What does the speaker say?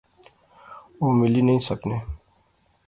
او ملی نئیں سکنے